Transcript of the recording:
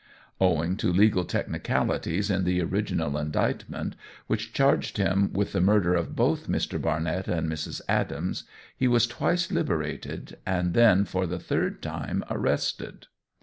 Owing to legal technicalities in the original indictment, which charged him with the murder of both Mr. Barnett and Mrs. Adams, he was twice liberated, and then for the third time arrested.